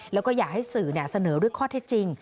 แล้วก็อยากให้สื่อเสนอด้วยข้อเท็จจริง